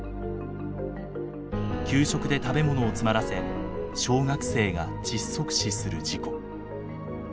給食で食べ物を詰まらせ小学生が窒息死する事故。